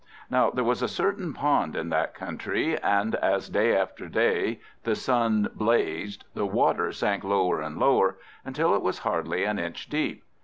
Now there was a certain pond in that country; and as day after day the sun blazed, the water sank lower and lower, until it was hardly an inch deep.